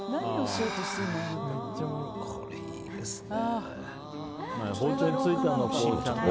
これ、いいですね。